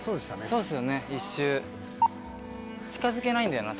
そうですよね一周。近づけないんだよな